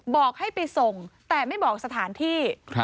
บอกให้ไปส่งแต่ไม่บอกสถานที่